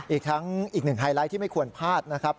อีกทั้งอีกหนึ่งไฮไลท์ที่ไม่ควรพลาดนะครับ